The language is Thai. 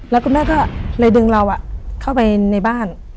แล้วคุณแม่ก็เลยดึงเราเข้าไปในบ้าน